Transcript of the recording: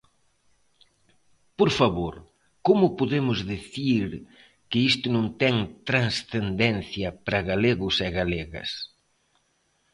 Por favor, ¿como podemos dicir que isto non ten transcendencia para galegos e galegas?